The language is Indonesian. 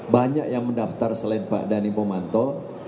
banyak yang mendaftar selain pak dhani pomanto